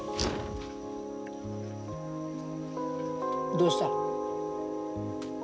どうした？